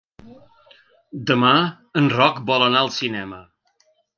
Demà en Roc vol anar al cinema.